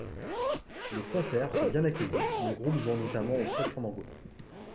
Les concerts sont bien accueillis, le groupe jouant notamment au Club Fandango.